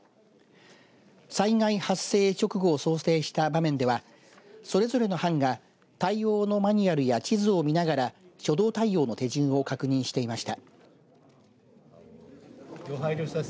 災害発生直後を想定した場面ではそれぞれの班が対応のマニュアルや地図を見ながら初動対応の手順を確認していました。